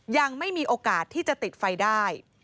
ยังไม่มีโอกาสที่จะติดไฟได้